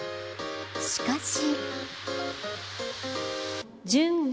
しかし。